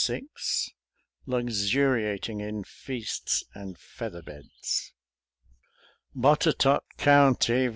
XXVI LUXUEIATING IN FEASTS AND FEATHER BEDS Botetourt County, Va.